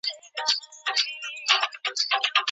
ښه عادتونه باید وهڅول سي.